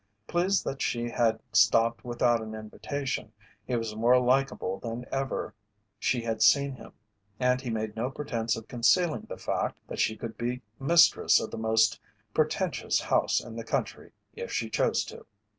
Pleased that she had stopped without an invitation, he was more likable than ever she had seen him, and he made no pretense of concealing the fact that she could be mistress of the most pretentious house in the country if she chose to.